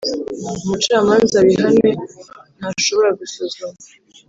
Umucamanza wihanwe ntashobora gusuzuma